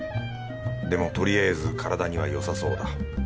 でもとりあえず体にはよさそうだ。